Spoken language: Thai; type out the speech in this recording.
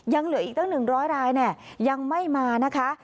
ยังเหลืออีกตั้ง๑๐๐รายยังไม่มานะคะ